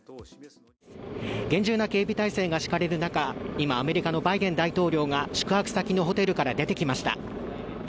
厳重な警備態勢が敷かれる中、今、アメリカのバイデン大統領が宿泊先のホテルから出てきました。